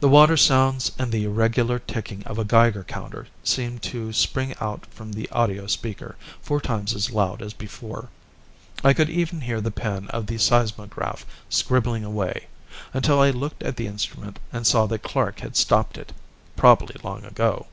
The water sounds and the irregular ticking of a Geiger counter seemed to spring out from the audio speaker, four times as loud as before. I could even hear the pen of the seismograph scribbling away, until I looked at the instrument and saw that Clark had stopped it, probably long ago.